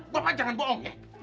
bapak jangan bohong ya